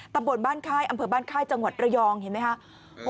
ตำบลบ้านค่ายอำเภอบ้านค่ายจังหวัดระยองเห็นไหมครับ